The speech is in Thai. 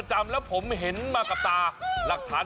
อุ๊ยหมายถึงน้ำหนักหรอ